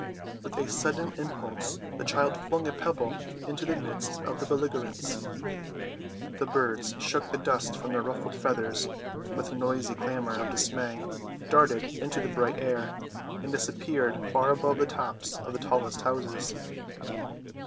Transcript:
With a sudden impulse the child flung a pebble into the midst of the belligerents. The birds shook the dust from their ruffled feathers with noisy clamor of dismay, darted into the bright air, and disappeared far above the tops of the tallest houses.